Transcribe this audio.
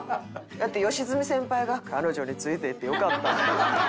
だって良純先輩が「彼女についていってよかった」。